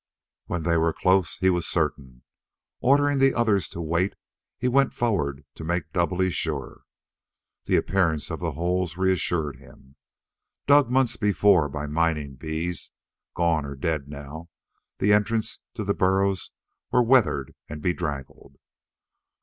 When they were close, he was certain. Ordering the others to wait, he went forward to make doubly sure. The appearance of the holes reassured him. Dug months before by mining bees, gone or dead now, the entrances to the burrows were weathered and bedraggled.